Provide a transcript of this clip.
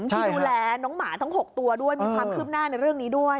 ที่ดูแลน้องหมาทั้ง๖ตัวด้วยมีความคืบหน้าในเรื่องนี้ด้วย